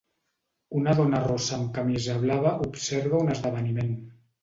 Una dona rossa amb camisa blava observa un esdeveniment.